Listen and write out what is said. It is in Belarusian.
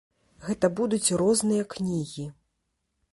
Гэта будуць розныя кнігі.